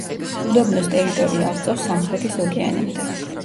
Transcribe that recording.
უდაბნოს ტერიტორია აღწევს სამხრეთის ოკეანემდე.